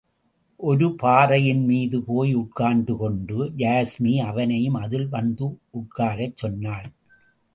ஒரு பாறையின் மீது போய் உட்கார்ந்து கொண்டு யாஸ்மி அவனையும் அதில் வந்து உட்காரச் சொன்னாள்.